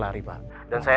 kau mau lihat kesana